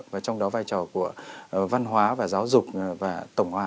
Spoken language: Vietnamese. và trong đó vai trò của văn hóa và giáo dục và tổng hòa